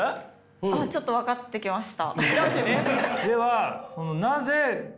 あっちょっと分かってきました。